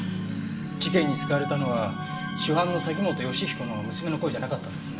事件に使われたのは主犯の崎本善彦の娘の声じゃなかったんですね。